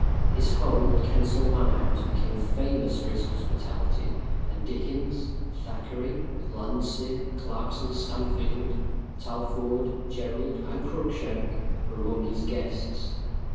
His home at Kensal Manor House became famous for its hospitality, and Dickens, Thackeray, Landseer, Clarkson Stanfield, Talfourd, Jerrold, and Cruikshank were among his guests.